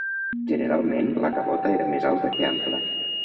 Generalment la cabota era més alta que ampla.